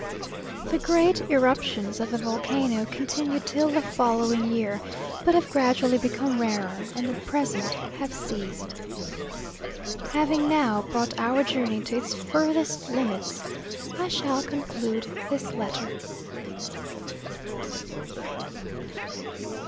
The great eruptions of the volcano continued till the following year, but have gradually become rarer, and at present have ceased. Having now brought our journey to its furthest limits, I shall conclude this letter.